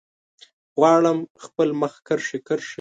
غواړم خپل مخ کرښې، کرښې